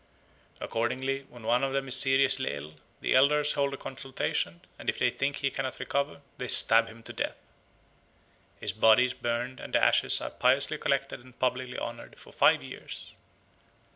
Accordingly when one of them is seriously ill, the elders hold a consultation and if they think he cannot recover they stab him to death. His body is burned and the ashes are piously collected and publicly honoured for five years.